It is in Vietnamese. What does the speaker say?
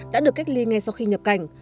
đã được cách ly ngay sau khi nhập cảnh